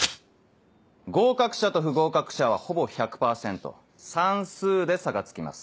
合格者と不合格者はほぼ１００％算数で差がつきます。